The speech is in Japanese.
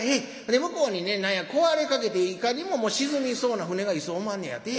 で向こうにね何や壊れかけていかにも沈みそうな船が一艘おまんねやて。